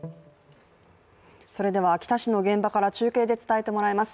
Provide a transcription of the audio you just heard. それでは秋田市の現場から中継で伝えてもらいます。